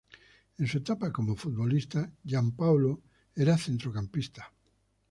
En su etapa como futbolista, Giampaolo era centrocampista.